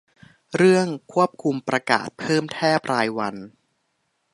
เรื่องควบคุมประกาศเพิ่มแทบรายวัน